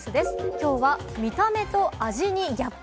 きょうは見た目と味にギャップ。